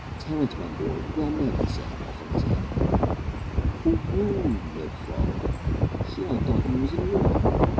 "Terence, my boy, well met!" he said, offering his hand. "Hooroo! Ned Frog, sure I thought ye was in limbo!"